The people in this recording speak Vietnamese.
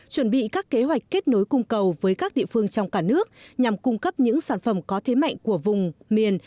chuẩn bị các kế hoạch kết nối cung cầu với các địa phương trong cả nước nhằm cung cấp những sản phẩm có thế mạnh của vùng miền